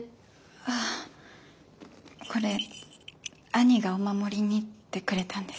あこれ兄がお守りにってくれたんです。